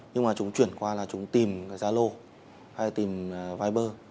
nhưng mà chúng chuyển qua là chúng tìm cái zalo hay tìm viber